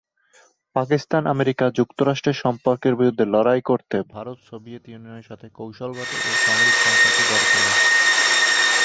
পাকিস্তান-আমেরিকা যুক্তরাষ্ট্রের সম্পর্কের বিরুদ্ধে লড়াই করতে ভারত সোভিয়েত ইউনিয়নের সাথে কৌশলগত ও সামরিক সম্পর্ক গড়ে তোলে।